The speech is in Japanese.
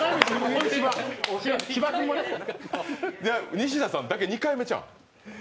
西田さんだけ２回目ちゃうん？